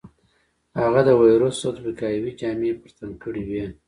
هغه د وېروس ضد وقايوي جامې پر تن کړې وې.